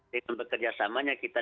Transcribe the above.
dengan bekerjasamanya kita